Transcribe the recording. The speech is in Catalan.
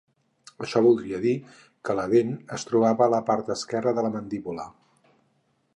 Això voldria dir que la dent es trobava a la part esquerra de la mandíbula.